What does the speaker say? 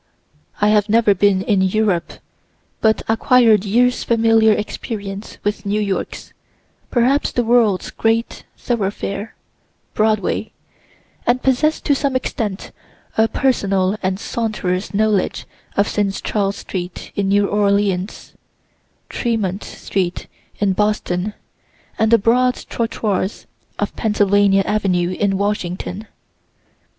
I have never been in Europe, but acquired years' familiar experience with New York's, (perhaps the world's) great thoroughfare, Broadway, and possess to some extent a personal and saunterer's knowledge of St. Charles street in New Orleans, Tremont street in Boston, and the broad trottoirs of Pennsylvania avenue in Washington.